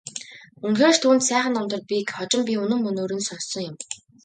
Үнэхээр ч түүнд сайхан намтар бийг хожим би үнэн мөнөөр нь сонссон юм.